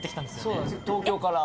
そうなんですよ東京から。